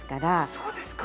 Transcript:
そうですか。